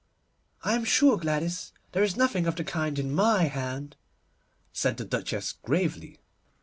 'I am sure, Gladys, there is nothing of the kind in my hand,' said the Duchess gravely.